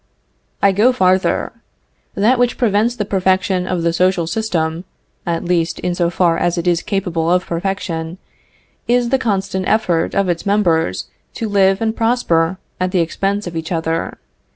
I go farther. That which prevents the perfection of the social system (at least in so far as it is capable of perfection) is the constant effort of its members to live and prosper at the expense of each other.